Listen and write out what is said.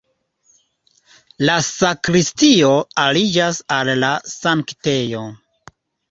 La sakristio aliĝas al la sanktejo.